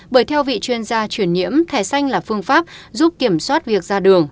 bởi theo vị chuyên gia chuyển nhiễm thẻ xanh là phương pháp giúp kiểm soát việc ra đường